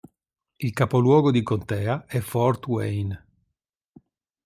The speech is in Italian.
Il capoluogo di contea è Fort Wayne.